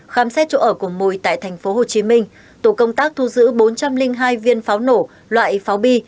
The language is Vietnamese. khám xét chỗ ở của mùi tại thành phố hồ chí minh tổ công tác thu giữ bốn trăm linh hai viên pháo nổ loại pháo bi